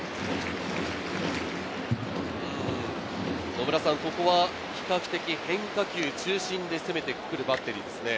野村さん、ここは比較的変化球中心で攻めてくるバッテリーですね。